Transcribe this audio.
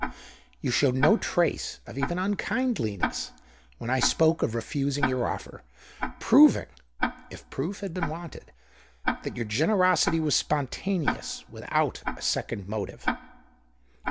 You showed no trace even of unkindliness when I spoke of refusing your offer, proving, if proof had been wanted, that your generosity was spontaneous, without a second motive."